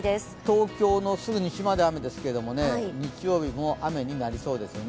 東京のすぐ西まで雨ですけれども、日曜まで雨になりそうですね。